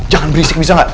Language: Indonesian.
jangan berisik bisa gak